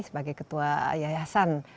sebagai ketua yayasan